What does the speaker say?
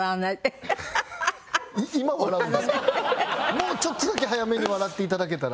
もうちょっとだけ早めに笑って頂けたら。